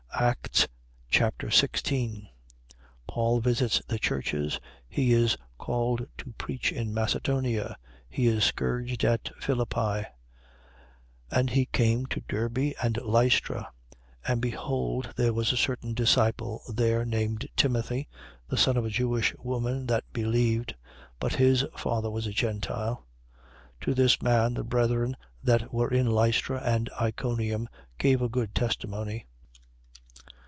Acts Chapter 16 Paul visits the churches. He is called to preach in Macedonia. He is scourged at Philippi. 16:1. And he came to Derbe and Lystra. And behold, there was a certain disciple there named Timothy, the son of a Jewish woman that believed: but his father was a Gentile. 16:2. To this man the brethren that were in Lystra and Iconium gave a good testimony.